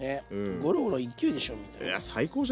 ゴロゴロ勢いでしょみたいな。